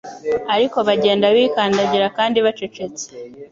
ariko bagenda bikandagira kandi bacecetse,